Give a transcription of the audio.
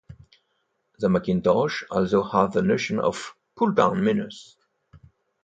The Macintosh also has the notion of "pull-down menus".